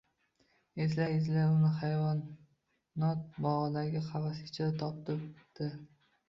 Izlay-izlay uni hayvonot bog‘idagi qafas ichidan topibdi